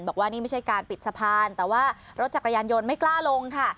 บอกว่านี่ไม่ใช่การปิดสะพานแต่ว่ารถจักรยานยนต์ไม่กล้าลงค่ะ